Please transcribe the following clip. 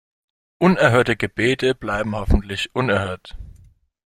Unerhörte Gebete bleiben hoffentlich unerhört.